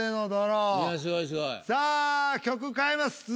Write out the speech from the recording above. さあ曲変えます。